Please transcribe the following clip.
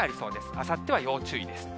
あさっては要注意です。